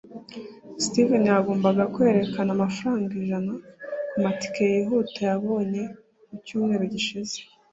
steve yagombaga kwerekana amafaranga ijana kumatike yihuta yabonye mu cyumweru gishize